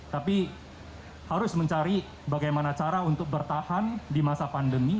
tapi harus mencari bagaimana cara untuk bertahan di masa pandemi